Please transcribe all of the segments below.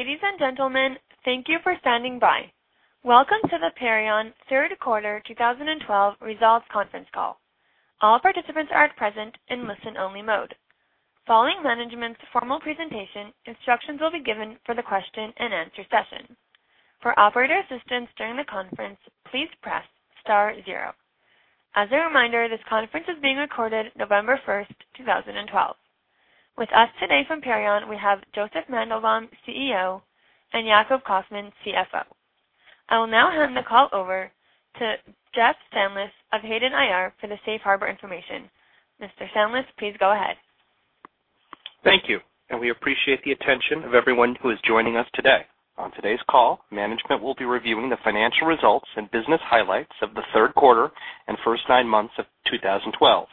Ladies and gentlemen, thank you for standing by. Welcome to the Perion third quarter 2012 results conference call. All participants are at present in listen-only mode. Following management's formal presentation, instructions will be given for the question and answer session. For operator assistance during the conference, please press star zero. As a reminder, this conference is being recorded November 1st, 2012. With us today from Perion, we have Josef Mandelbaum, CEO, and Yacov Kaufman, CFO. I will now hand the call over to Jeff Stanlis of Hayden IR for the safe harbor information. Mr. Stanlis, please go ahead. Thank you. We appreciate the attention of everyone who is joining us today. On today's call, management will be reviewing the financial results and business highlights of the third quarter and first nine months of 2012.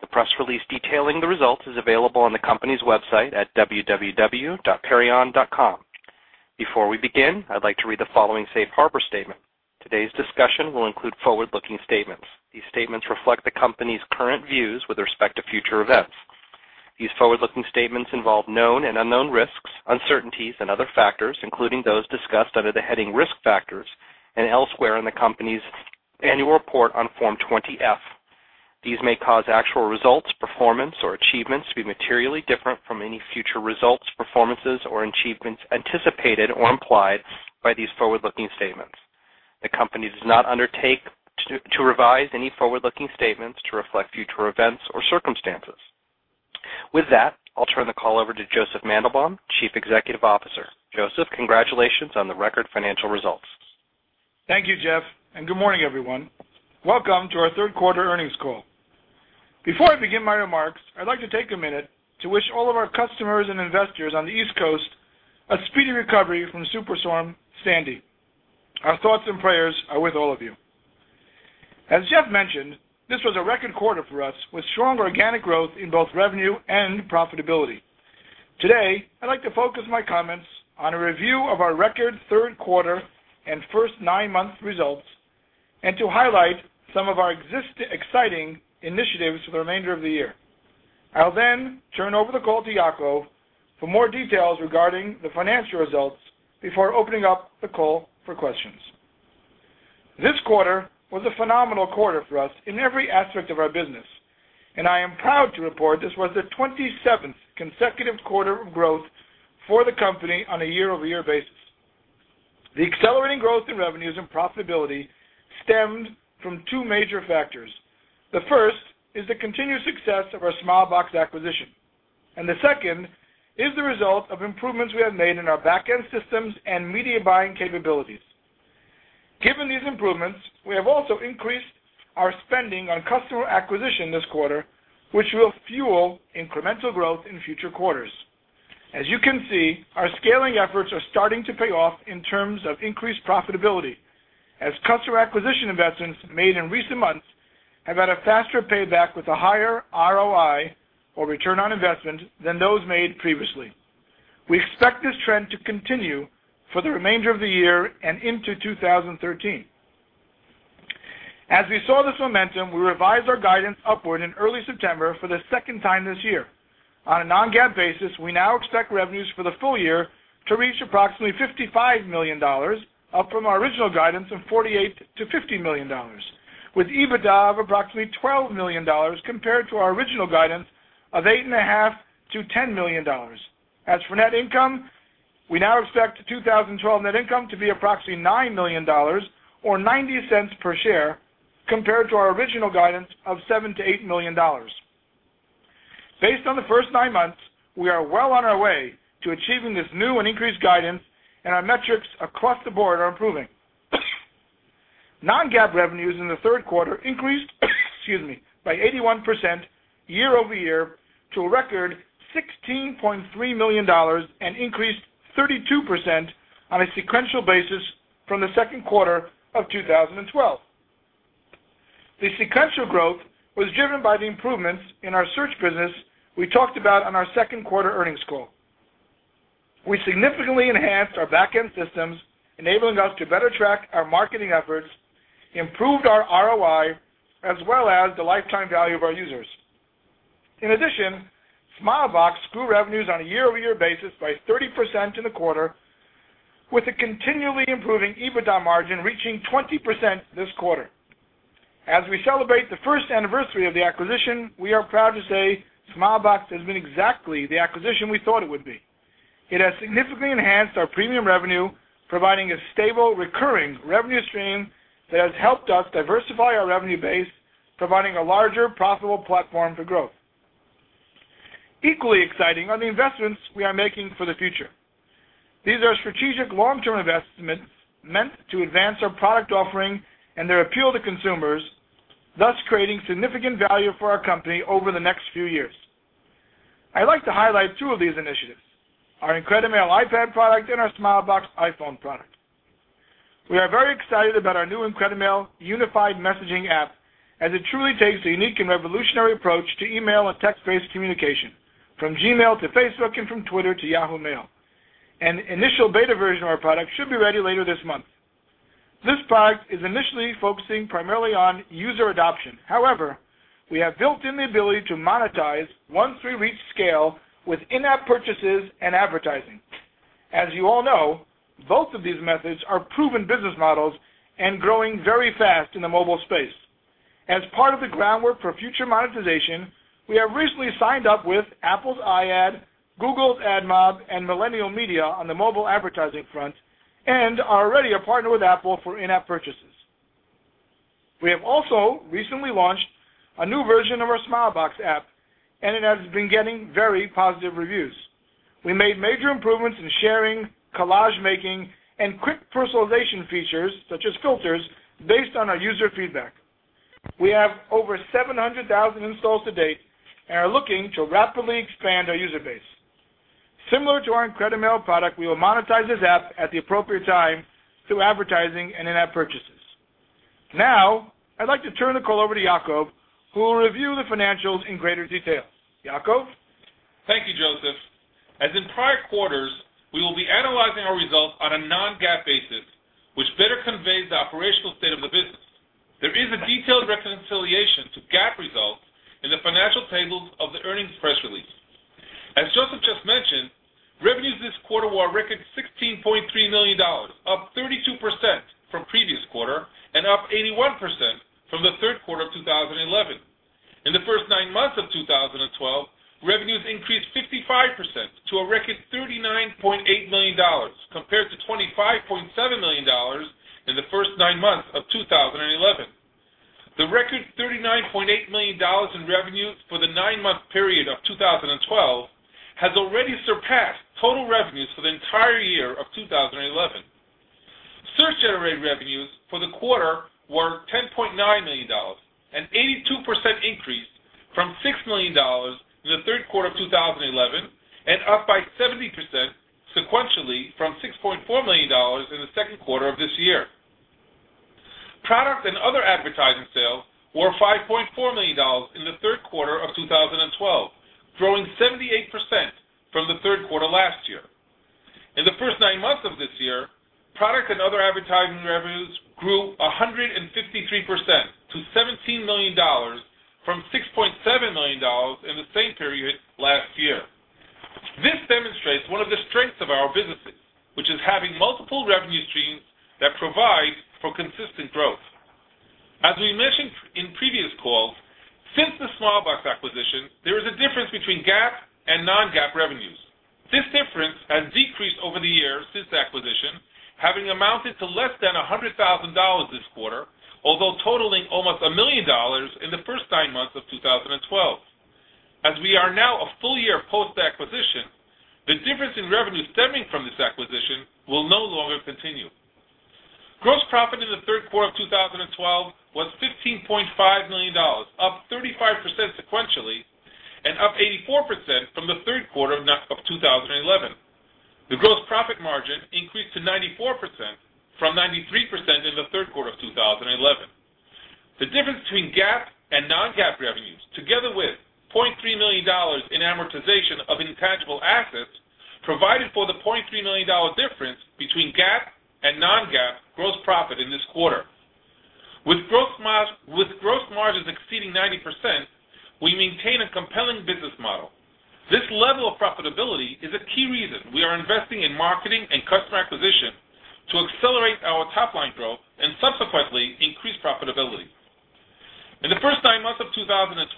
The press release detailing the results is available on the company's website at www.perion.com. Before we begin, I'd like to read the following safe harbor statement. Today's discussion will include forward-looking statements. These statements reflect the company's current views with respect to future events. These forward-looking statements involve known and unknown risks, uncertainties, and other factors, including those discussed under the heading Risk Factors and elsewhere in the company's annual report on Form 20-F. These may cause actual results, performance, or achievements to be materially different from any future results, performances, or achievements anticipated or implied by these forward-looking statements. The company does not undertake to revise any forward-looking statements to reflect future events or circumstances. With that, I'll turn the call over to Josef Mandelbaum, Chief Executive Officer. Josef, congratulations on the record financial results. Thank you, Jeff. Good morning, everyone. Welcome to our third quarter earnings call. Before I begin my remarks, I'd like to take a minute to wish all of our customers and investors on the East Coast a speedy recovery from Superstorm Sandy. Our thoughts and prayers are with all of you. As Jeff mentioned, this was a record quarter for us with strong organic growth in both revenue and profitability. Today, I'd like to focus my comments on a review of our record third quarter and first nine months results, to highlight some of our exciting initiatives for the remainder of the year. I'll turn over the call to Yacov for more details regarding the financial results before opening up the call for questions. This quarter was a phenomenal quarter for us in every aspect of our business. I am proud to report this was the 27th consecutive quarter of growth for the company on a year-over-year basis. The accelerating growth in revenues and profitability stemmed from two major factors. The first is the continued success of our Smilebox acquisition. The second is the result of improvements we have made in our back-end systems and media buying capabilities. Given these improvements, we have also increased our spending on customer acquisition this quarter, which will fuel incremental growth in future quarters. As you can see, our scaling efforts are starting to pay off in terms of increased profitability, as customer acquisition investments made in recent months have had a faster payback with a higher ROI, or return on investment, than those made previously. We expect this trend to continue for the remainder of the year and into 2013. As we saw this momentum, we revised our guidance upward in early September for the second time this year. On a non-GAAP basis, we now expect revenues for the full year to reach approximately $55 million, up from our original guidance of $48 million-$50 million, with EBITDA of approximately $12 million compared to our original guidance of $8.5 million-$10 million. As for net income, we now expect 2012 net income to be approximately $9 million, or $0.90 per share, compared to our original guidance of $7 million-$8 million. Based on the first nine months, we are well on our way to achieving this new and increased guidance. Our metrics across the board are improving. Non-GAAP revenues in the third quarter increased by 81% year-over-year to a record $16.3 million. Increased 32% on a sequential basis from the second quarter of 2012. The sequential growth was driven by the improvements in our search business we talked about on our second quarter earnings call. We significantly enhanced our back-end systems, enabling us to better track our marketing efforts, improved our ROI, as well as the lifetime value of our users. In addition, Smilebox grew revenues on a year-over-year basis by 30% in the quarter with a continually improving EBITDA margin reaching 20% this quarter. As we celebrate the first anniversary of the acquisition, we are proud to say Smilebox has been exactly the acquisition we thought it would be. It has significantly enhanced our premium revenue, providing a stable, recurring revenue stream that has helped us diversify our revenue base, providing a larger, profitable platform for growth. Equally exciting are the investments we are making for the future. These are strategic long-term investments meant to advance our product offering and their appeal to consumers, thus creating significant value for our company over the next few years. I'd like to highlight two of these initiatives, our IncrediMail iPad product and our Smilebox iPhone product. We are very excited about our new IncrediMail unified messaging app, as it truly takes a unique and revolutionary approach to email and text-based communication, from Gmail to Facebook and from Twitter to Yahoo Mail. An initial beta version of our product should be ready later this month. This product is initially focusing primarily on user adoption. However, we have built in the ability to monetize once we reach scale with in-app purchases and advertising. As you all know, both of these methods are proven business models and growing very fast in the mobile space. As part of the groundwork for future monetization, we have recently signed up with Apple's iAd, Google's AdMob, and Millennial Media on the mobile advertising front and are already a partner with Apple for in-app purchases. We have also recently launched a new version of our Smilebox app, and it has been getting very positive reviews. We made major improvements in sharing, collage making, and quick personalization features, such as filters, based on our user feedback. We have over 700,000 installs to date and are looking to rapidly expand our user base. Similar to our IncrediMail product, we will monetize this app at the appropriate time through advertising and in-app purchases. Now, I'd like to turn the call over to Yaacov, who will review the financials in greater detail. Yaacov? Thank you, Josef. As in prior quarters, we will be analyzing our results on a non-GAAP basis, which better conveys the operational state of the business. There is a detailed reconciliation to GAAP results in the financial tables of the earnings press release. As Josef just mentioned, revenues this quarter were a record $16.3 million, up 32% from previous quarter and up 81% from the third quarter of 2011. In the first nine months of 2012, revenues increased 55% to a record $39.8 million compared to $25.7 million in the first nine months of 2011. The record $39.8 million in revenues for the nine-month period of 2012 has already surpassed total revenues for the entire year of 2011. Search-generated revenues for the quarter were $10.9 million, an 82% increase from $6 million in the third quarter of 2011, and up by 70% sequentially from $6.4 million in the second quarter of this year. Product and other advertising sales were $5.4 million in the third quarter of 2012, growing 78% from the third quarter last year. In the first nine months of this year, product and other advertising revenues grew 153% to $17 million from $6.7 million in the same period last year. This demonstrates one of the strengths of our businesses, which is having multiple revenue streams that provide for consistent growth. As we mentioned in previous calls, since the Smilebox acquisition, there is a difference between GAAP and non-GAAP revenues. This difference has decreased over the years since the acquisition, having amounted to less than $100,000 this quarter, although totaling almost $1 million in the first nine months of 2012. As we are now a full year post-acquisition, the difference in revenue stemming from this acquisition will no longer continue. Gross profit in the third quarter of 2012 was $15.5 million, up 35% sequentially and up 84% from the third quarter of 2011. The gross profit margin increased to 94% from 93% in the third quarter of 2011. The difference between GAAP and non-GAAP revenues, together with $0.3 million in amortization of intangible assets, provided for the $0.3 million difference between GAAP and non-GAAP gross profit in this quarter. With gross margins exceeding 90%, we maintain a compelling business model. This level of profitability is a key reason we are investing in marketing and customer acquisition to accelerate our top-line growth and subsequently increase profitability. In the first nine months of 2012,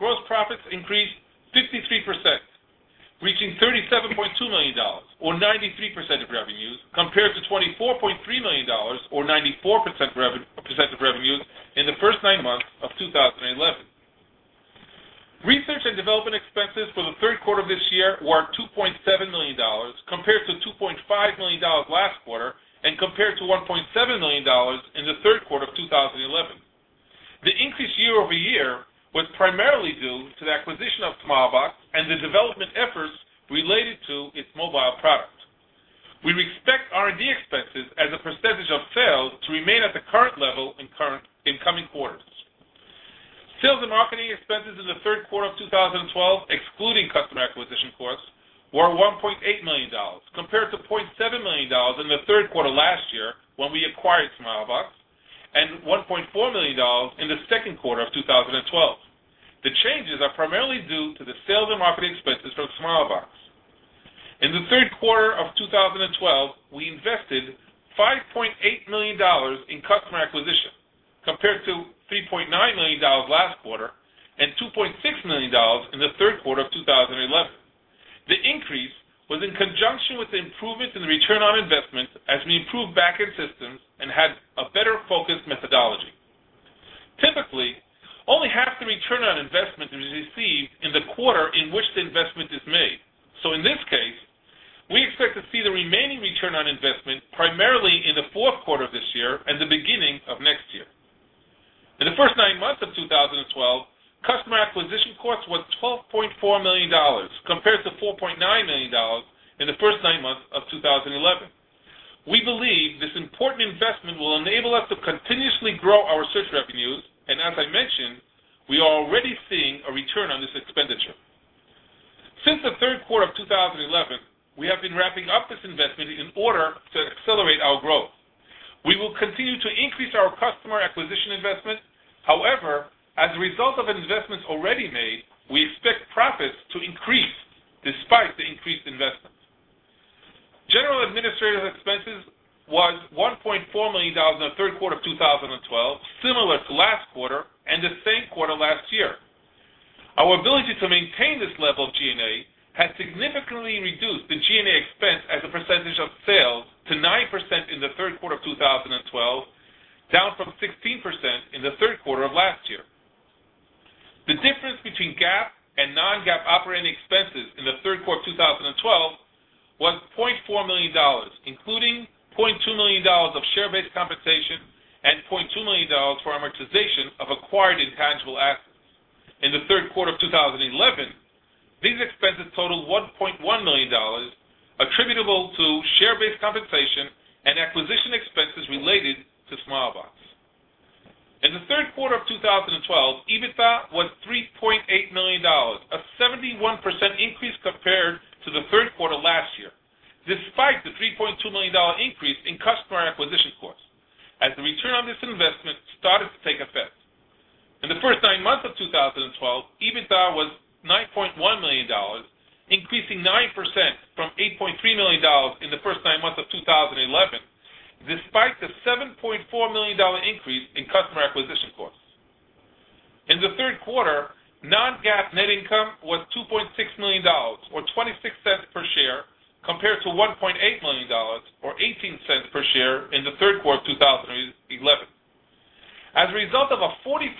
gross profits increased 53%, reaching $37.2 million or 93% of revenues, compared to $24.3 million or 94% of revenues in the first nine months of 2011. Research and development expenses for the third quarter of this year were $2.7 million, compared to $2.5 million last quarter and compared to $1.7 million in the third quarter of 2011. The increase year-over-year was primarily due to the acquisition of Smilebox and the development efforts related to its mobile product. We expect R&D expenses as a percentage of sales to remain at the current level in coming quarters. Sales and marketing expenses in the third quarter of 2012, excluding customer acquisition costs, were $1.8 million, compared to $0.7 million in the third quarter last year when we acquired Smilebox, and $1.4 million in the second quarter of 2012. The changes are primarily due to the sales and marketing expenses from Smilebox. In the third quarter of 2012, we invested $5.8 million in customer acquisition compared to $3.9 million last quarter and $2.6 million in the third quarter of 2011. The increase was in conjunction with improvements in ROI as we improved backend systems and had a better-focused methodology. Typically, only half the ROI is received in the quarter in which the investment is made. In this case, we expect to see the remaining ROI primarily in the fourth quarter of this year and the beginning of next year. In the first nine months of 2012, customer acquisition costs were $12.4 million, compared to $4.9 million in the first nine months of 2011. We believe this important investment will enable us to continuously grow our search revenues. As I mentioned, we are already seeing a ROI. We have been ramping up this investment in order to accelerate our growth. We will continue to increase our customer acquisition investment. However, as a result of investments already made, we expect profits to increase despite the increased investments. G&A was $1.4 million in the third quarter of 2012, similar to last quarter and the same quarter last year. Our ability to maintain this level of G&A has significantly reduced the G&A expense as a percentage of sales to 9% in the third quarter of 2012, down from 16% in the third quarter of last year. The difference between GAAP and non-GAAP operating expenses in the third quarter of 2012 was $0.4 million, including $0.2 million of share-based compensation and $0.2 million for amortization of acquired intangible assets. In the third quarter of 2011, these expenses totaled $1.1 million attributable to share-based compensation and acquisition expenses related to Smilebox. In the third quarter of 2012, EBITDA was $3.8 million, a 71% increase compared to the third quarter last year, despite the $3.2 million increase in customer acquisition costs as the return on this investment started to take effect. In the first nine months of 2012, EBITDA was $9.1 million, increasing 9% from $8.3 million in the first nine months of 2011, despite the $7.4 million increase in customer acquisition costs. In the third quarter, non-GAAP net income was $2.6 million or $0.26 per share, compared to $1.8 million or $0.18 per share in the third quarter of 2011. As a result of a 44%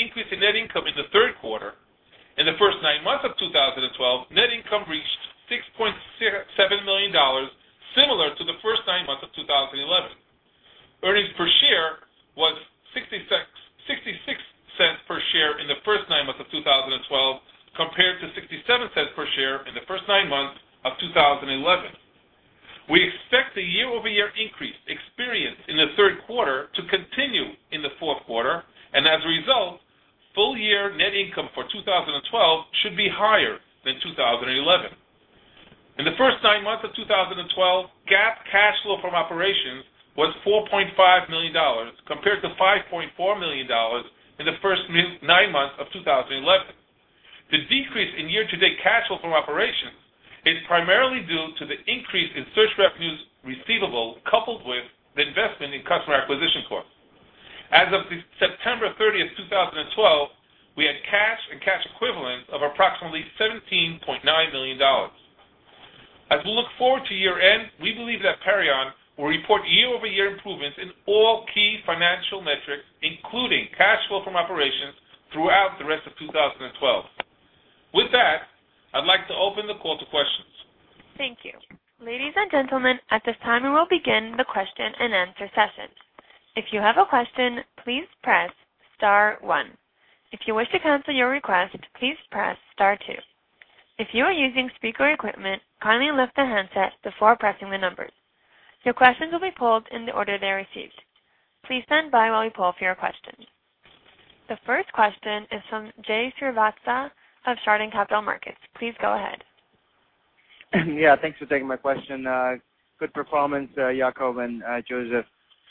increase in net income in the third quarter, in the first nine months of 2012, net income reached $6.7 million, similar to the first nine months of 2011. Earnings per share was $0.66 per share in the first nine months of 2012 compared to $0.67 per share in the first nine months of 2011. We expect the year-over-year increase experienced in the third quarter to continue in the fourth quarter, and as a result, full-year net income for 2012 should be higher than 2011. In the first nine months of 2012, GAAP cash flow from operations was $4.5 million, compared to $5.4 million in the first nine months of 2011. The decrease in year-to-date cash flow from operations is primarily due to the increase in search revenues receivable, coupled with the investment in customer acquisition costs. As of September 30th, 2012, we had cash and cash equivalents of approximately $17.9 million. As we look forward to year-end, we believe that Perion will report year-over-year improvements in all key financial metrics, including cash flow from operations, throughout the rest of 2012. With that, I'd like to open the call to questions. Thank you. Ladies and gentlemen, at this time, we will begin the question-and-answer session. If you have a question, please press star one. If you wish to cancel your request, please press star two. If you are using speaker equipment, kindly lift the handset before pressing the numbers. Your questions will be pulled in the order they are received. Please stand by while we pull for your questions. The first question is from Jay Srivatsa of Chardan Capital Markets. Please go ahead. Thanks for taking my question. Good performance, Yaacov and Josef.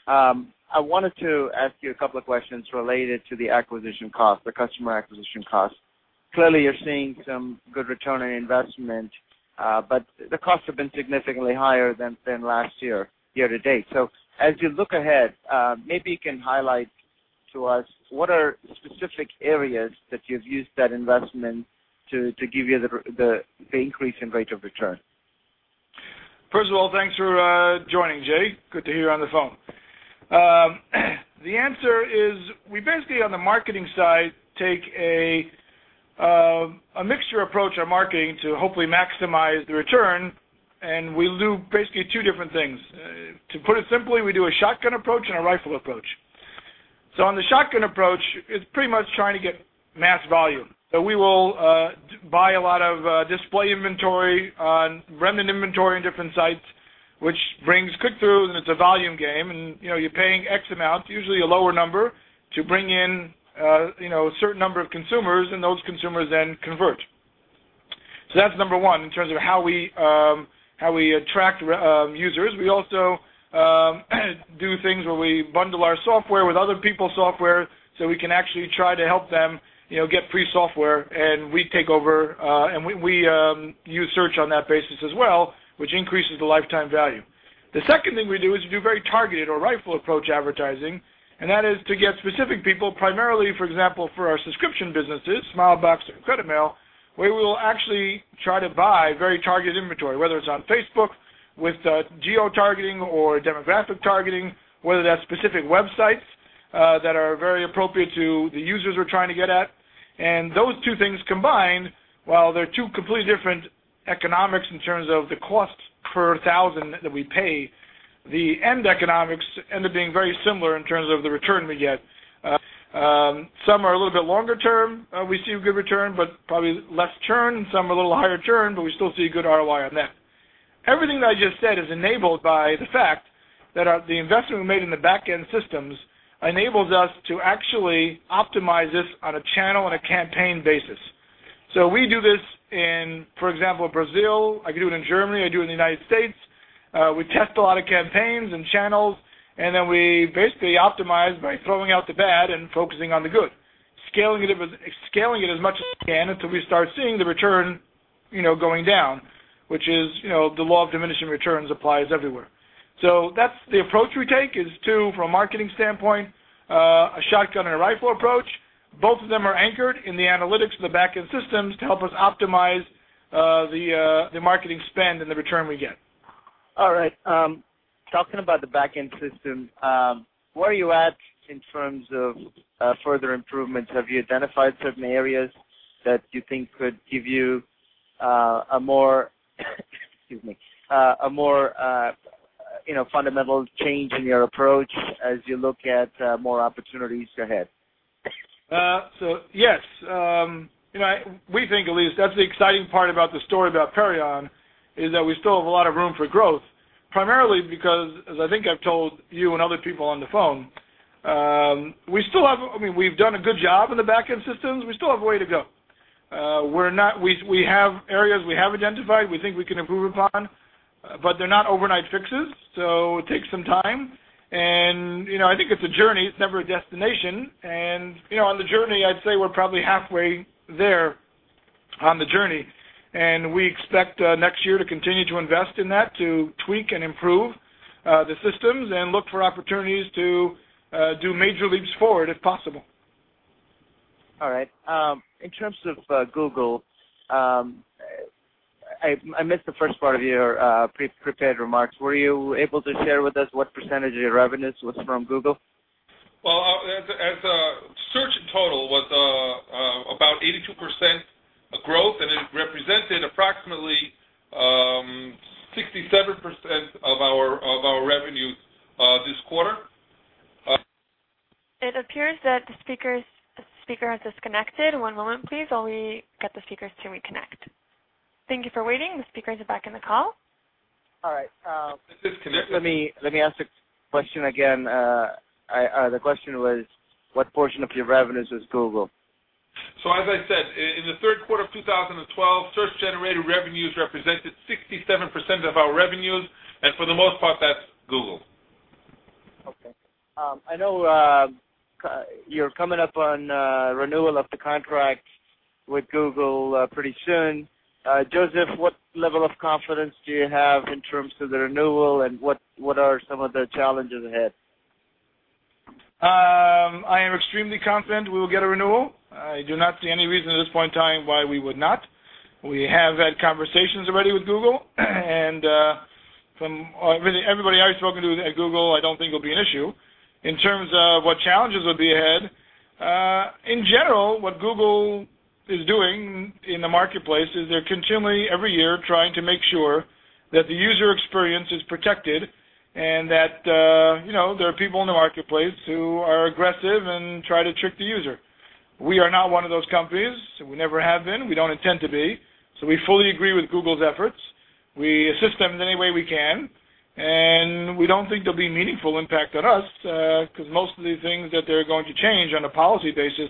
I wanted to ask you a couple of questions related to the acquisition cost, the customer acquisition cost. Clearly, you're seeing some good ROI, but the costs have been significantly higher than last year year-to-date. As you look ahead, maybe you can highlight to us what are specific areas that you've used that investment to give you the increase in rate of return? First of all, thanks for joining, Jay. Good to hear you on the phone. The answer is, we basically, on the marketing side, take a mixture approach on marketing to hopefully maximize the return. We do basically two different things. To put it simply, we do a shotgun approach and a rifle approach. On the shotgun approach, it's pretty much trying to get mass volume. We will buy a lot of display inventory on remnant inventory on different sites, which brings click-through, and it's a volume game, and you're paying X amount, usually a lower number, to bring in a certain number of consumers, and those consumers then convert. That's number 1 in terms of how we attract users. We also do things where we bundle our software with other people's software, so we can actually try to help them get free software, and we take over. We use search on that basis as well, which increases the lifetime value. The second thing we do is we do very targeted or rifle approach advertising, and that is to get specific people, primarily, for example, for our subscription businesses, Smilebox and IncrediMail, we will actually try to buy very targeted inventory, whether it's on Facebook with geotargeting or demographic targeting, whether that's specific websites that are very appropriate to the users we're trying to get at. Those two things combined, while they're two completely different economics in terms of the cost per 1,000 that we pay, the end economics end up being very similar in terms of the return we get. Some are a little bit longer-term. We see a good return. Probably less churn. Some are a little higher churn. We still see good ROI on that. Everything that I just said is enabled by the fact that the investment we made in the back-end systems enables us to actually optimize this on a channel and a campaign basis. We do this in, for example, Brazil. I do it in Germany, I do it in the U.S. We test a lot of campaigns and channels, we basically optimize by throwing out the bad and focusing on the good, scaling it as much as we can until we start seeing the return going down, which is the law of diminishing returns applies everywhere. That's the approach we take is to, from a marketing standpoint, a shotgun and a rifle approach. Both of them are anchored in the analytics of the back-end systems to help us optimize the marketing spend and the return we get. All right. Talking about the back-end system, where are you at in terms of further improvements? Have you identified certain areas that you think could give you a more fundamental change in your approach as you look at more opportunities ahead? Yes. We think at least that's the exciting part about the story about Perion, is that we still have a lot of room for growth, primarily because, as I think I've told you and other people on the phone, we've done a good job in the back-end systems. We still have a way to go. We have areas we have identified, we think we can improve upon, but they're not overnight fixes, it takes some time. I think it's a journey. It's never a destination. On the journey, I'd say we're probably halfway there on the journey, and we expect next year to continue to invest in that, to tweak and improve the systems and look for opportunities to do major leaps forward if possible. All right. In terms of Google, I missed the first part of your prepared remarks. Were you able to share with us what % of your revenues was from Google? Well, as a search total was about 82% growth, and it represented approximately 67% of our revenue this quarter. It appears that the speaker has disconnected. One moment please, while we get the speaker to reconnect. Thank you for waiting. The speaker is back on the call. All right. This is Josef. Let me ask the question again. The question was, what portion of your revenues was Google? As I said, in the third quarter of 2012, search-generated revenues represented 67% of our revenues, and for the most part, that's Google. Okay. I know you're coming up on renewal of the contract with Google pretty soon. Josef, what level of confidence do you have in terms of the renewal and what are some of the challenges ahead? I am extremely confident we will get a renewal. I do not see any reason at this point in time why we would not. We have had conversations already with Google, and from everybody I've spoken to at Google, I don't think it'll be an issue. In terms of what challenges will be ahead, in general, what Google is doing in the marketplace is they're continually, every year, trying to make sure that the user experience is protected and that there are people in the marketplace who are aggressive and try to trick the user. We are not one of those companies, we never have been, we don't intend to be. We fully agree with Google's efforts. We assist them in any way we can, and we don't think there'll be meaningful impact on us, because most of the things that they're going to change on a policy basis,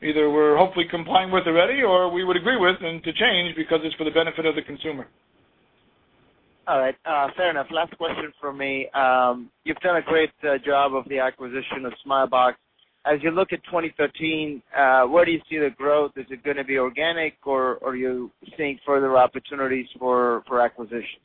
either we're hopefully compliant with already, or we would agree with and to change because it's for the benefit of the consumer. All right. Fair enough. Last question from me. You've done a great job of the acquisition of Smilebox. As you look at 2013, where do you see the growth? Is it gonna be organic, or are you seeing further opportunities for acquisition?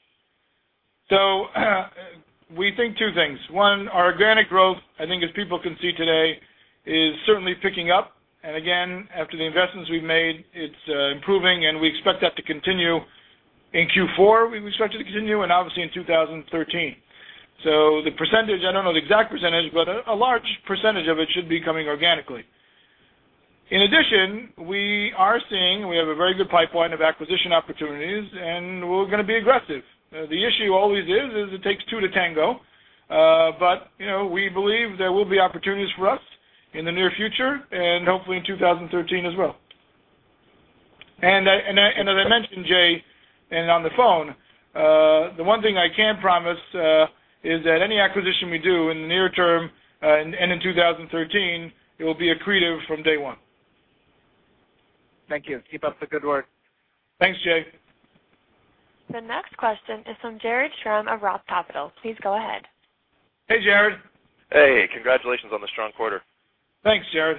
We think two things. One, our organic growth, I think, as people can see today, is certainly picking up. Again, after the investments we've made, it's improving, and we expect that to continue in Q4. We expect it to continue, and obviously in 2013. The percentage, I don't know the exact percentage, but a large percentage of it should be coming organically. In addition, we are seeing we have a very good pipeline of acquisition opportunities, and we're gonna be aggressive. The issue always is, it takes two to tango. We believe there will be opportunities for us in the near future, and hopefully in 2013 as well. As I mentioned, Jay, and on the phone, the one thing I can promise is that any acquisition we do in the near term and in 2013, it will be accretive from day one. Thank you. Keep up the good work. Thanks, Jay. The next question is from Jared Schramm of Roth Capital. Please go ahead. Hey, Jared. Hey, congratulations on the strong quarter. Thanks, Jared.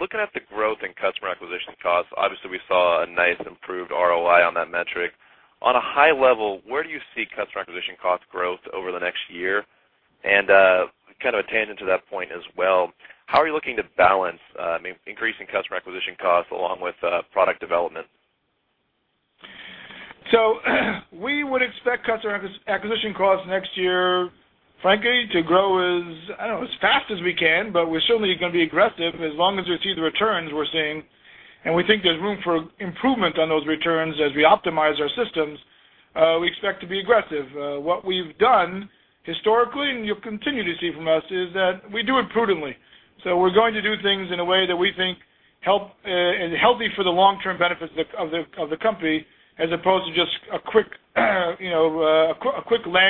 Looking at the growth in customer acquisition costs, obviously we saw a nice improved ROI on that metric. On a high level, where do you see customer acquisition cost growth over the next year? Kind of a tangent to that point as well, how are you looking to balance increasing customer acquisition costs along with product development? We would expect customer acquisition costs next year, frankly, to grow as fast as we can, but we're certainly going to be aggressive as long as we see the returns we're seeing. We think there's room for improvement on those returns as we optimize our systems. We expect to be aggressive. What we've done historically, and you'll continue to see from us, is that we do it prudently. We're going to do things in a way that we think helpful and healthy for the long-term benefits of the company, as opposed to just a quick land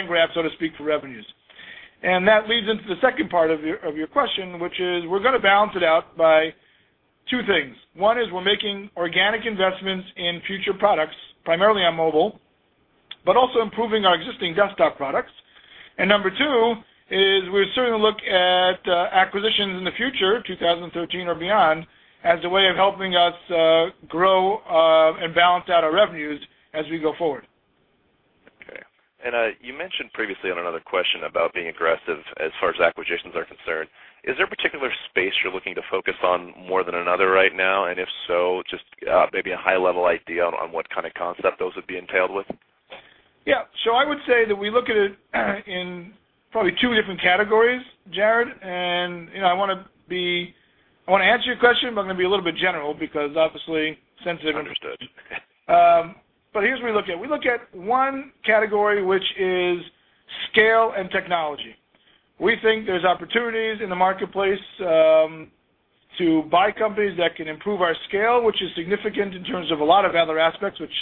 grab, so to speak, for revenues. That leads into the second part of your question, which is we're going to balance it out by two things. One is we're making organic investments in future products, primarily on mobile, but also improving our existing desktop products. Number two is we're certainly going to look at acquisitions in the future, 2013 or beyond, as a way of helping us grow and balance out our revenues as we go forward. Okay. You mentioned previously on another question about being aggressive as far as acquisitions are concerned. Is there a particular space you're looking to focus on more than another right now? If so, just maybe a high-level idea on what kind of concept those would be entailed with? Yeah. I would say that we look at it in probably 2 different categories, Jared, I want to answer your question, but I'm going to be a little bit general because obviously sensitive. Understood. Here's what we look at. We look at 1 category, which is scale and technology. We think there's opportunities in the marketplace to buy companies that can improve our scale, which is significant in terms of a lot of other aspects, which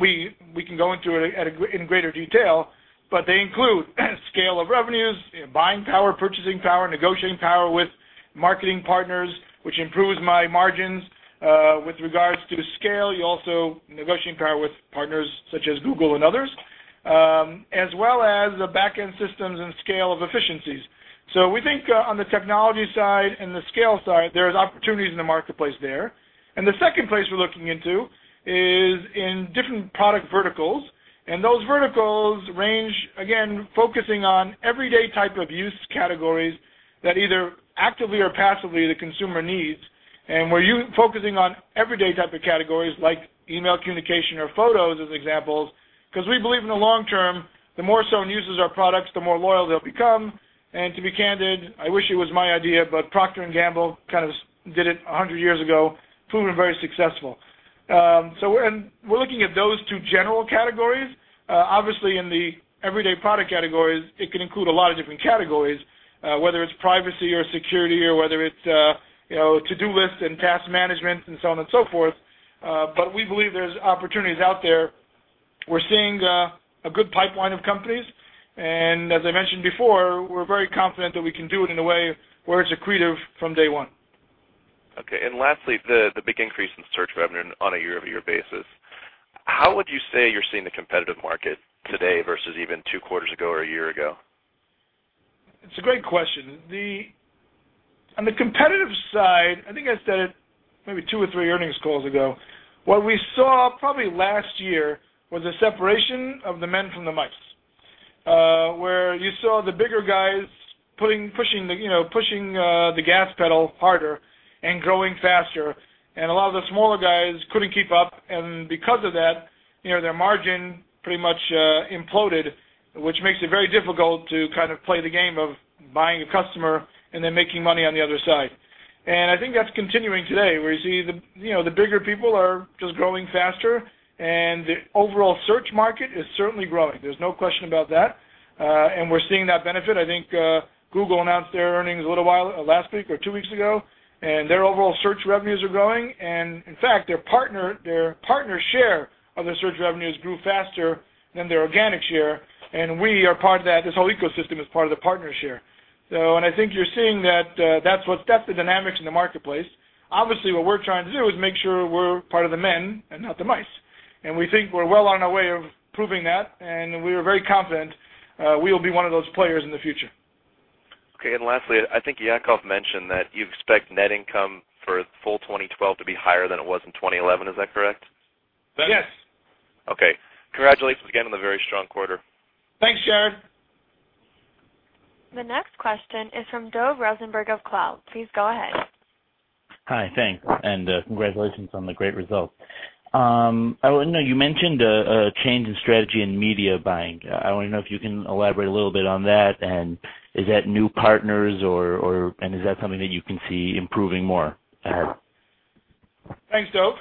we can go into in greater detail, but they include scale of revenues, buying power, purchasing power, negotiating power with marketing partners, which improves my margins. With regards to scale, you also negotiating power with partners such as Google and others, as well as the back-end systems and scale of efficiencies. We think on the technology side and the scale side, there's opportunities in the marketplace there. The second place we're looking into is in different product verticals. Those verticals range, again, focusing on everyday type of use categories that either actively or passively the consumer needs. We're focusing on everyday type of categories like email communication or photos as examples, because we believe in the long term, the more someone uses our products, the more loyal they'll become. To be candid, I wish it was my idea, but Procter & Gamble kind of did it 100 years ago, proven very successful. We're looking at those 2 general categories. Obviously, in the everyday product categories, it can include a lot of different categories, whether it's privacy or security or whether it's to-do lists and task management and so on and so forth. We believe there's opportunities out there. We're seeing a good pipeline of companies. As I mentioned before, we're very confident that we can do it in a way where it's accretive from day 1. Okay. Lastly, the big increase in search revenue on a year-over-year basis. How would you say you're seeing the competitive market today versus even two quarters ago or one year ago? It's a great question. On the competitive side, I think I said it maybe two or three earnings calls ago, what we saw probably last year was a separation of the men from the mice, where you saw the bigger guys pushing the gas pedal harder and growing faster. A lot of the smaller guys couldn't keep up, and because of that, their margin pretty much imploded, which makes it very difficult to kind of play the game of buying a customer and then making money on the other side. I think that's continuing today, where you see the bigger people are just growing faster, the overall search market is certainly growing. There's no question about that. We're seeing that benefit. I think Google announced their earnings a little while, last week or two weeks ago, their overall search revenues are growing. In fact, their partner share of their search revenues grew faster than their organic share. We are part of that. This whole ecosystem is part of the partner share. I think you're seeing that that's the dynamics in the marketplace. Obviously, what we're trying to do is make sure we're part of the men and not the mice. We think we're well on our way of proving that, and we are very confident we will be one of those players in the future. Okay. Lastly, I think Yaacov mentioned that you expect net income for full 2012 to be higher than it was in 2011. Is that correct? Yes. Okay. Congratulations again on the very strong quarter. Thanks, Jared. The next question is from Dov Rosenberg of Cloud. Please go ahead. Hi, thanks. Congratulations on the great results. I want to know, you mentioned a change in strategy in media buying. I want to know if you can elaborate a little bit on that. Is that new partners or is that something that you can see improving more? Thanks, Dov.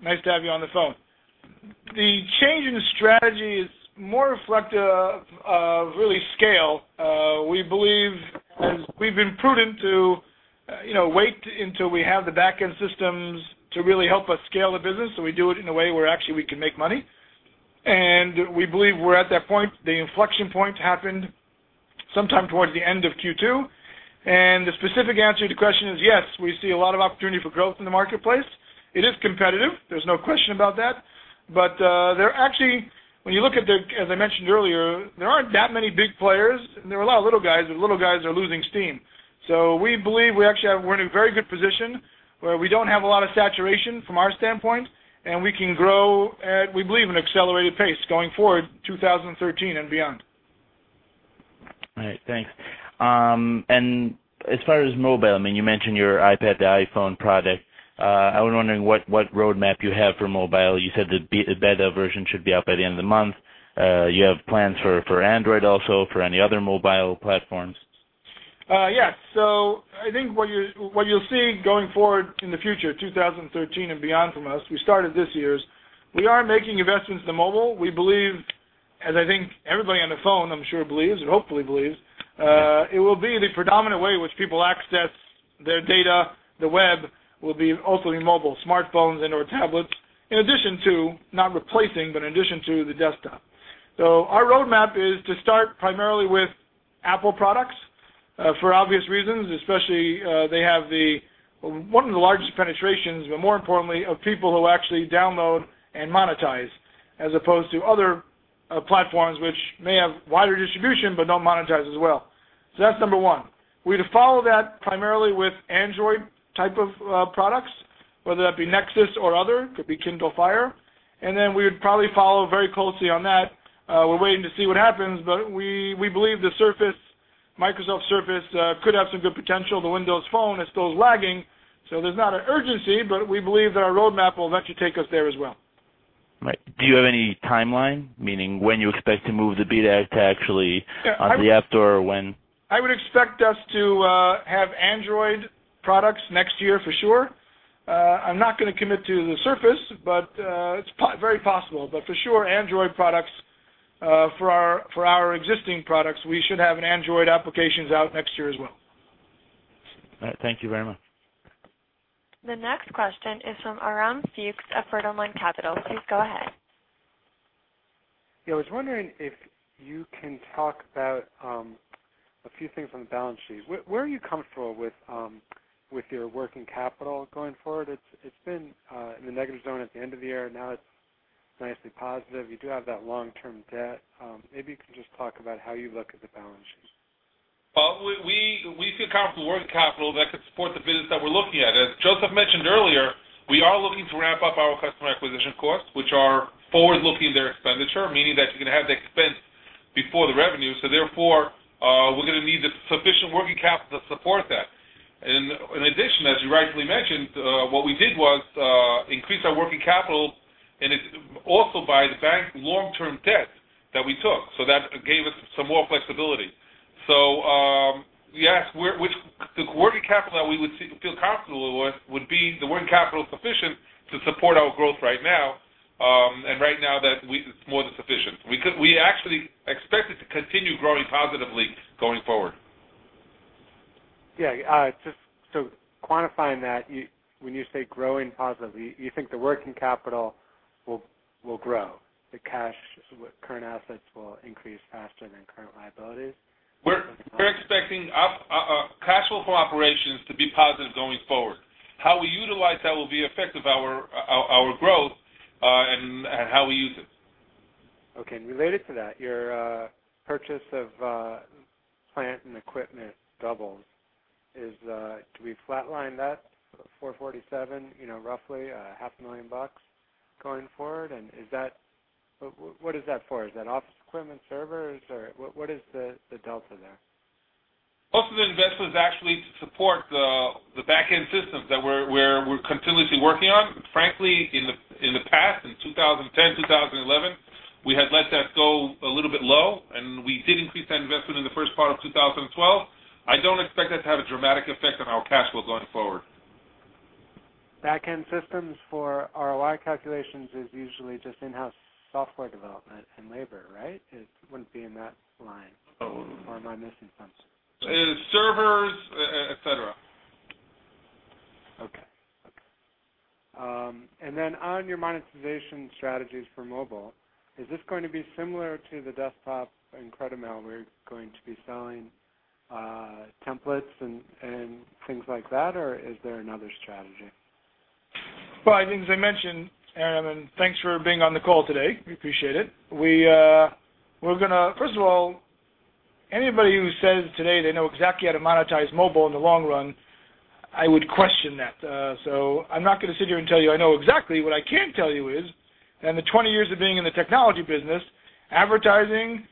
Nice to have you on the phone. The change in strategy is more reflective of really scale. We believe we've been prudent to wait until we have the back-end systems to really help us scale the business, so we do it in a way where actually we can make money. We believe we're at that point. The inflection point happened sometime towards the end of Q2. The specific answer to the question is yes, we see a lot of opportunity for growth in the marketplace. It is competitive. There's no question about that. There are actually, when you look at the, as I mentioned earlier, there aren't that many big players. There are a lot of little guys, and little guys are losing steam. We believe we're in a very good position where we don't have a lot of saturation from our standpoint, and we can grow at, we believe, an accelerated pace going forward 2013 and beyond. All right. Thanks. As far as mobile, I mean, you mentioned your iPad to iPhone product. I was wondering what roadmap you have for mobile. You said the beta version should be out by the end of the month. You have plans for Android also, for any other mobile platforms? Yeah. I think what you'll see going forward in the future, 2013 and beyond from us, we started this year, is we are making investments in mobile. We believe. As I think everybody on the phone, I'm sure believes, or hopefully believes, it will be the predominant way in which people access their data. The web will be ultimately mobile, smartphones and/or tablets, in addition to, not replacing, but in addition to the desktop. Our roadmap is to start primarily with Apple products, for obvious reasons. Especially, they have one of the largest penetrations, but more importantly, of people who actually download and monetize, as opposed to other platforms which may have wider distribution but don't monetize as well. That's number 1. We'd follow that primarily with Android type of products, whether that be Nexus or other, could be Kindle Fire. We would probably follow very closely on that. We're waiting to see what happens, but we believe the Microsoft Surface could have some good potential. The Windows Phone is still lagging, so there's not an urgency, but we believe that our roadmap will eventually take us there as well. Right. Do you have any timeline? Meaning when you expect to move the beta to actually on the App Store, or when? I would expect us to have Android products next year for sure. I'm not going to commit to the Surface, but it's very possible. For sure, Android products for our existing products, we should have an Android applications out next year as well. All right. Thank you very much. The next question is from Aram Fuchs of Third Online Capital. Please go ahead. Yeah. I was wondering if you can talk about a few things on the balance sheet. Where are you comfortable with your working capital going forward? It's been in the negative zone at the end of the year. Now it's nicely positive. You do have that long-term debt. Maybe you can just talk about how you look at the balance sheet. Well, we feel comfortable with the working capital that could support the business that we're looking at. As Josef mentioned earlier, we are looking to ramp up our customer acquisition costs, which are forward-looking in their expenditure, meaning that you're going to have the expense before the revenue. Therefore, we're going to need the sufficient working capital to support that. In addition, as you rightly mentioned, what we did was increase our working capital also by the bank long-term debt that we took. That gave us some more flexibility. Yes, the working capital that we would feel comfortable with would be the working capital sufficient to support our growth right now, and right now that it's more than sufficient. We actually expect it to continue growing positively going forward. Yeah. Quantifying that, when you say growing positively, you think the working capital will grow, the cash current assets will increase faster than current liabilities? We're expecting cash flow from operations to be positive going forward. How we utilize that will be effect of our growth, and how we use it. Okay. Related to that, your purchase of plant and equipment doubled. Do we flatline that $447,000, roughly a half a million bucks going forward? What is that for? Is that office equipment, servers, or what is the delta there? Most of the investment is actually to support the back-end systems that we're continuously working on. Frankly, in the past, in 2010, 2011, we had let that go a little bit low. We did increase that investment in the first part of 2012. I don't expect that to have a dramatic effect on our cash flow going forward. Back-end systems for ROI calculations is usually just in-house software development and labor, right? It wouldn't be in that line. Oh. Am I missing something? It is servers, et cetera. Okay. On your monetization strategies for mobile, is this going to be similar to the desktop IncrediMail, where you're going to be selling templates and things like that, or is there another strategy? Well, I think as I mentioned, Aram, and thanks for being on the call today. We appreciate it. First of all, anybody who says today they know exactly how to monetize mobile in the long run, I would question that. I'm not going to sit here and tell you I know exactly. What I can tell you is, in the 20 years of being in the technology business, advertising,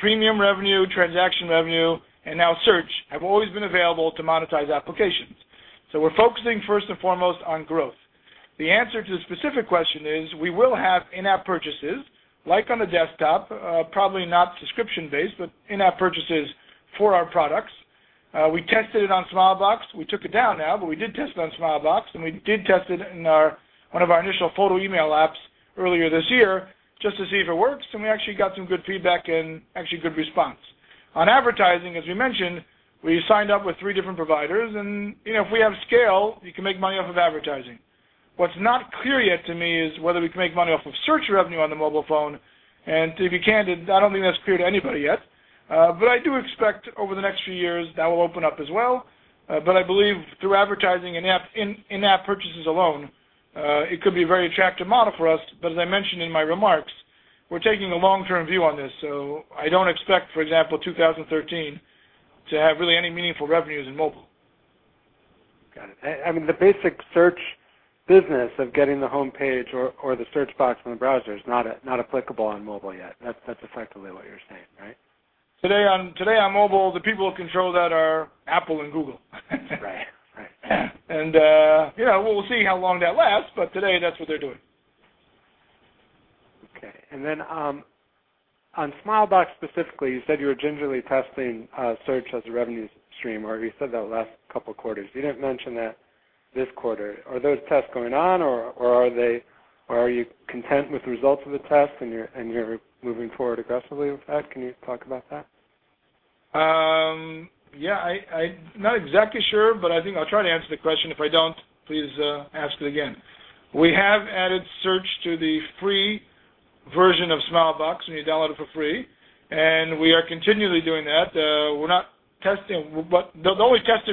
premium revenue, transaction revenue, and now search have always been available to monetize applications. We're focusing first and foremost on growth. The answer to the specific question is, we will have in-app purchases, like on the desktop, probably not subscription-based, but in-app purchases for our products. We tested it on Smilebox. We took it down now, but we did test it on Smilebox, and we did test it in one of our initial photo email apps earlier this year just to see if it works, and we actually got some good feedback and actually good response. On advertising, as we mentioned, we signed up with three different providers, and if we have scale, you can make money off of advertising. What's not clear yet to me is whether we can make money off of search revenue on the mobile phone, and if you can, I don't think that's clear to anybody yet. I do expect over the next few years, that will open up as well. I believe through advertising in-app purchases alone, it could be a very attractive model for us. As I mentioned in my remarks, we're taking a long-term view on this. I don't expect, for example, 2013 to have really any meaningful revenues in mobile. Got it. I mean, the basic search business of getting the homepage or the search box from the browser is not applicable on mobile yet. That's effectively what you're saying, right? Today on mobile, the people who control that are Apple and Google. Right. Yeah, we'll see how long that lasts, but today, that's what they're doing. Okay. On Smilebox specifically, you said you were gingerly testing search as a revenue stream, or you said that last couple of quarters. You didn't mention this quarter. Are those tests going on, or are you content with the results of the test, and you're moving forward aggressively with that? Can you talk about that? Yeah. I'm not exactly sure, but I think I'll try to answer the question. If I don't, please ask it again. We have added search to the free version of Smilebox, when you download it for free, and we are continually doing that. The only testing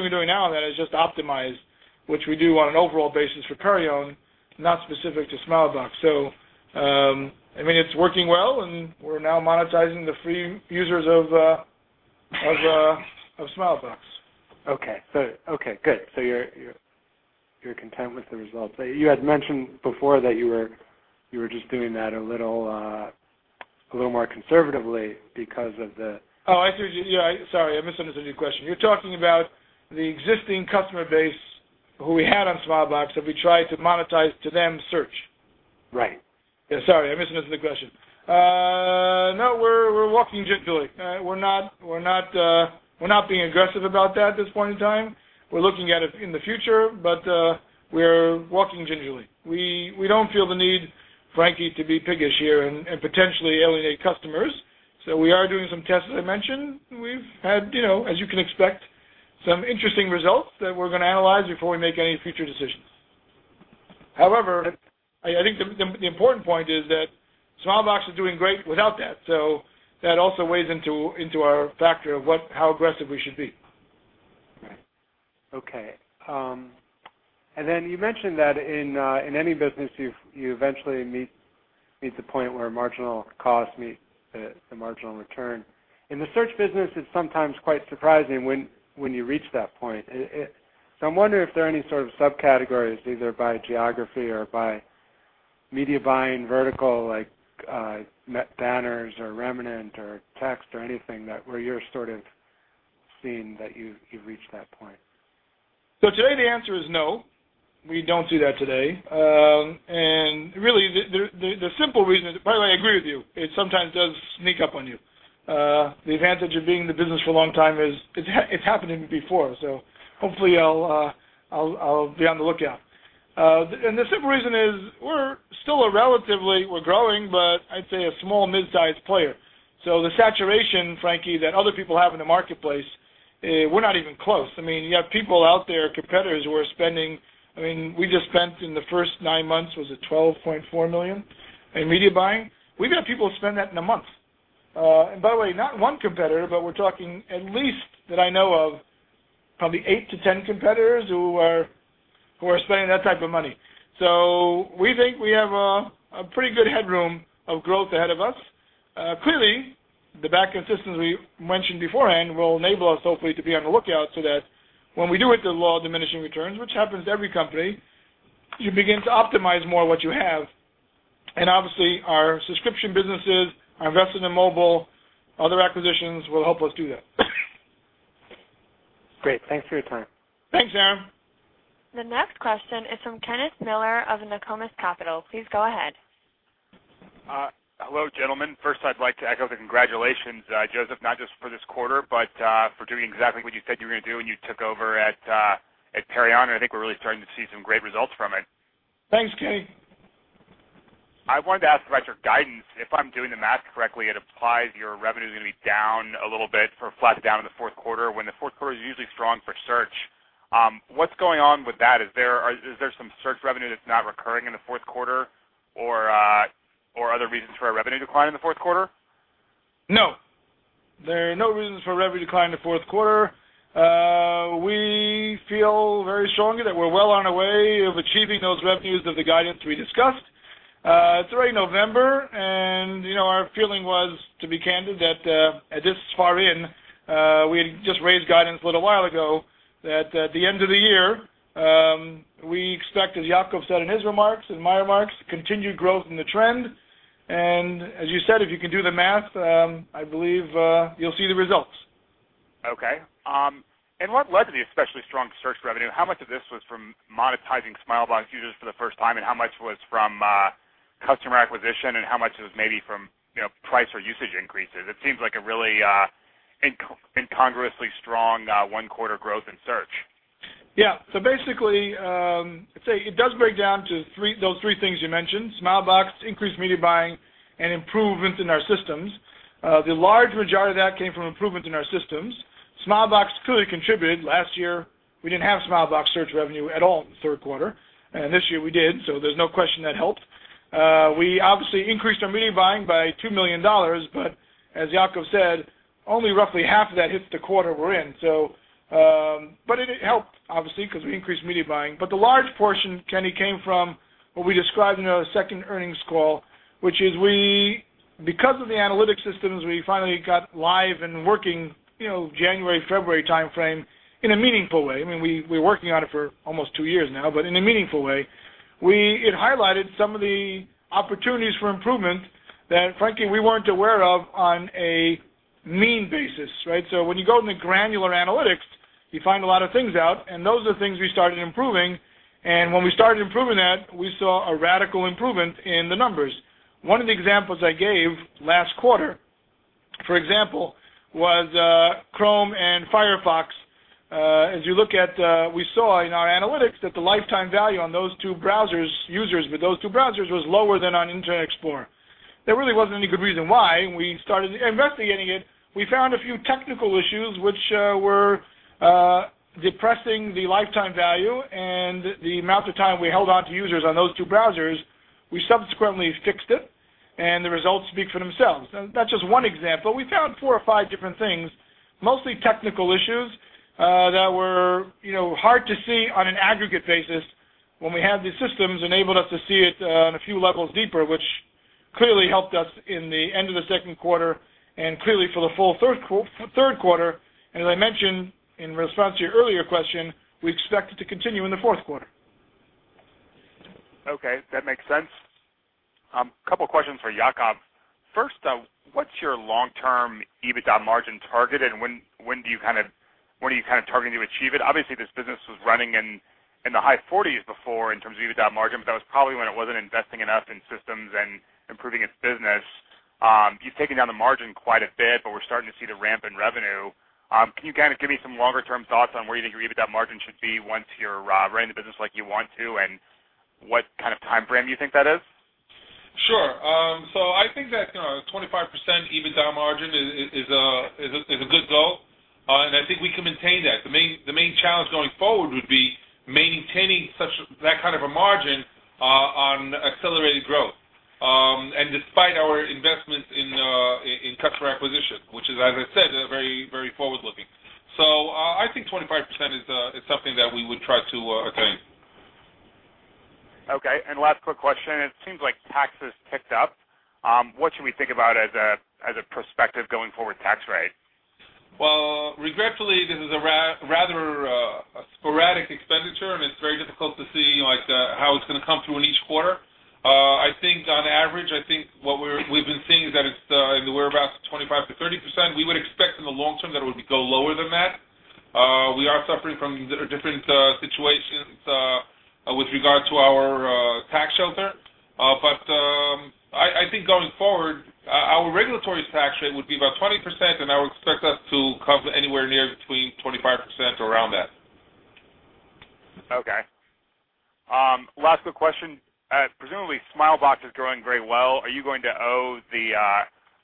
we're doing now then is just optimize, which we do on an overall basis for Perion, not specific to Smilebox. It's working well, and we're now monetizing the free users of Smilebox. Okay. Good. You're content with the results. You had mentioned before that you were just doing that a little more conservatively because of the. Oh, I see what you. Yeah, sorry, I misunderstood your question. You're talking about the existing customer base who we had on Smilebox, have we tried to monetize to them, search? Right. Yeah, sorry, I misunderstood the question. No, we're walking gently. We're not being aggressive about that at this point in time. We're looking at it in the future, but we're walking gently. We don't feel the need, Frankie, to be piggish here and potentially alienate customers. We are doing some tests, as I mentioned. We've had, as you can expect, some interesting results that we're going to analyze before we make any future decisions. However, I think the important point is that Smilebox is doing great without that. That also weighs into our factor of how aggressive we should be. Right. Okay. You mentioned that in any business, you eventually meet the point where marginal costs meet the marginal return. In the search business, it's sometimes quite surprising when you reach that point. I'm wondering if there are any sort of subcategories, either by geography or by media buying vertical, like banners or remnant or text or anything, where you're sort of seeing that you've reached that point. Today, the answer is no. We don't do that today. Really, the simple reason is, by the way, I agree with you. It sometimes does sneak up on you. The advantage of being in the business for a long time is it's happened to me before, so hopefully I'll be on the lookout. The simple reason is we're still a relatively, we're growing, but I'd say a small mid-sized player. The saturation, Frankie, that other people have in the marketplace, we're not even close. You have people out there, competitors, who are spending. We just spent in the first nine months, was it $12.4 million in media buying? We've got people who spend that in a month. By the way, not one competitor, but we're talking at least, that I know of, probably eight to 10 competitors who are spending that type of money. We think we have a pretty good headroom of growth ahead of us. Clearly, the backend systems we mentioned beforehand will enable us, hopefully, to be on the lookout so that when we do hit the law of diminishing returns, which happens to every company, you begin to optimize more what you have. Obviously, our subscription businesses, our investment in mobile, other acquisitions will help us do that. Great. Thanks for your time. Thanks, Aram. The next question is from Ken Miller of Nokomis Capital. Please go ahead. Hello, gentlemen. First, I'd like to echo the congratulations, Josef, not just for this quarter, but for doing exactly what you said you were going to do when you took over at Perion. I think we're really starting to see some great results from it. Thanks, Kenny. I wanted to ask about your guidance. If I'm doing the math correctly, it implies your revenue is going to be down a little bit or flat to down in the fourth quarter, when the fourth quarter is usually strong for search. What's going on with that? Is there some search revenue that's not recurring in the fourth quarter, or other reasons for a revenue decline in the fourth quarter? No. There are no reasons for a revenue decline in the fourth quarter. We feel very strongly that we're well on our way of achieving those revenues of the guidance we discussed. It's already November, and our feeling was, to be candid, that at this far in, we had just raised guidance a little while ago, that at the end of the year, we expect, as Yaacov said in his remarks and my remarks, continued growth in the trend. As you said, if you can do the math, I believe you'll see the results. Okay. What led to the especially strong search revenue? How much of this was from monetizing Smilebox users for the first time, and how much was from customer acquisition, and how much was maybe from price or usage increases? It seems like a really incongruously strong one-quarter growth in search. Basically, I'd say it does break down to those three things you mentioned. Smilebox, increased media buying, and improvements in our systems. The large majority of that came from improvements in our systems. Smilebox clearly contributed. Last year, we didn't have Smilebox search revenue at all in the third quarter, and this year we did, so there's no question that helped. We obviously increased our media buying by $2 million, but as Yaacov said, only roughly half of that hits the quarter we're in. It helped, obviously, because we increased media buying. The large portion, Kenny, came from what we described in our second earnings call, which is because of the analytics systems we finally got live and working January, February timeframe in a meaningful way. We were working on it for almost two years now, but in a meaningful way. It highlighted some of the opportunities for improvement that, frankly, we weren't aware of on a mean basis, right? When you go into granular analytics, you find a lot of things out, and those are things we started improving. When we started improving that, we saw a radical improvement in the numbers. One of the examples I gave last quarter. For example, was Chrome and Firefox. As you look at, we saw in our analytics that the lifetime value on those two browsers, users with those two browsers, was lower than on Internet Explorer. There really wasn't any good reason why. We started investigating it. We found a few technical issues which were depressing the lifetime value and the amount of time we held onto users on those two browsers. We subsequently fixed it, and the results speak for themselves. That's just one example. We found four or five different things, mostly technical issues, that were hard to see on an aggregate basis. When we had these systems, enabled us to see it on a few levels deeper, which clearly helped us in the end of the second quarter and clearly for the full third quarter. As I mentioned in response to your earlier question, we expect it to continue in the fourth quarter. Okay. That makes sense. Couple questions for Yaacov. First, what's your long-term EBITDA margin target, and when are you targeting to achieve it? Obviously, this business was running in the high 40s before in terms of EBITDA margin, but that was probably when it wasn't investing enough in systems and improving its business. You've taken down the margin quite a bit, but we're starting to see the ramp in revenue. Can you kind of give me some longer-term thoughts on where you think your EBITDA margin should be once you're running the business like you want to, and what kind of timeframe you think that is? Sure. I think that 25% EBITDA margin is a good goal, and I think we can maintain that. The main challenge going forward would be maintaining that kind of a margin on accelerated growth. Despite our investments in customer acquisition, which is, as I said, very forward-looking. I think 25% is something that we would try to attain. Okay. Last quick question. It seems like taxes ticked up. What should we think about as a prospective going forward tax rate? Well, regretfully, this is a rather sporadic expenditure, and it's very difficult to see how it's going to come through in each quarter. I think on average, I think what we've been seeing is that it's in the whereabouts of 25%-30%. We would expect in the long term that it would go lower than that. We are suffering from different situations with regard to our tax shelter. I think going forward, our regulatory tax rate would be about 20%, and I would expect us to come anywhere near between 25% or around that. Okay. Last quick question. Presumably Smilebox is growing very well. Are you going to owe the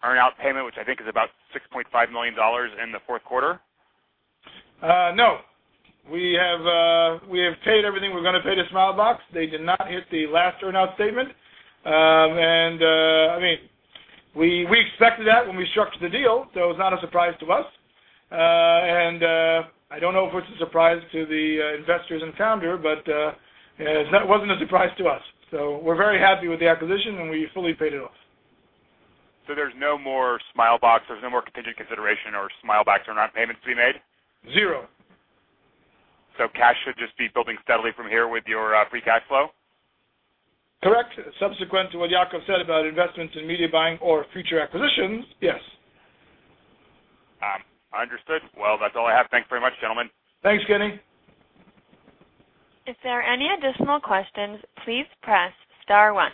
earn-out payment, which I think is about $6.5 million, in the fourth quarter? No. We have paid everything we're going to pay to Smilebox. They did not hit the last earn-out statement. We expected that when we structured the deal, it was not a surprise to us. I don't know if it's a surprise to the investors and founder, that wasn't a surprise to us. We're very happy with the acquisition, and we fully paid it off. There's no more Smilebox, there's no more contingent consideration or Smilebox earn-out payments to be made? Zero. Cash should just be building steadily from here with your free cash flow? Correct. Subsequent to what Yaacov said about investments in media buying or future acquisitions, yes. Understood. Well, that's all I have. Thanks very much, gentlemen. Thanks, Kenny. If there are any additional questions, please press *1.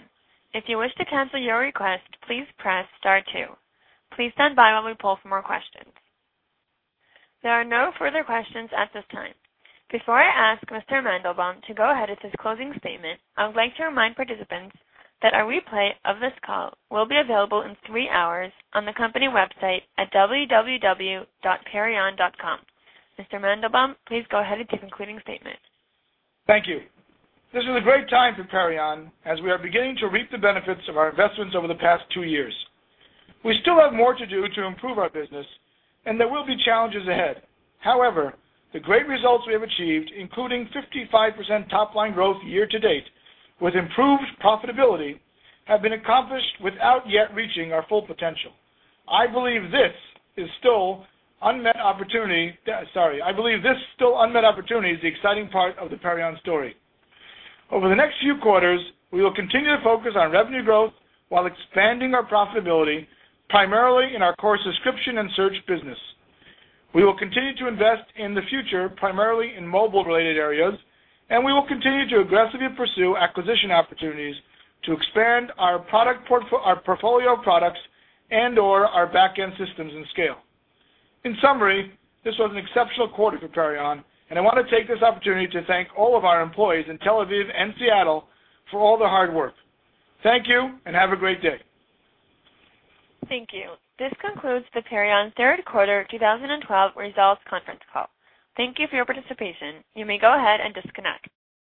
If you wish to cancel your request, please press *2. Please stand by while we pull for more questions. There are no further questions at this time. Before I ask Mr. Mandelbaum to go ahead with his closing statement, I would like to remind participants that a replay of this call will be available in three hours on the company website at www.perion.com. Mr. Mandelbaum, please go ahead with your concluding statement. Thank you. This is a great time for Perion, as we are beginning to reap the benefits of our investments over the past two years. We still have more to do to improve our business. There will be challenges ahead. However, the great results we have achieved, including 55% top-line growth year to date with improved profitability, have been accomplished without yet reaching our full potential. I believe this still unmet opportunity is the exciting part of the Perion story. Over the next few quarters, we will continue to focus on revenue growth while expanding our profitability, primarily in our core subscription and search business. We will continue to invest in the future, primarily in mobile-related areas. We will continue to aggressively pursue acquisition opportunities to expand our portfolio of products and/or our back-end systems and scale. In summary, this was an exceptional quarter for Perion. I want to take this opportunity to thank all of our employees in Tel Aviv and Seattle for all the hard work. Thank you. Have a great day. Thank you. This concludes the Perion third quarter 2012 results conference call. Thank you for your participation. You may go ahead and disconnect.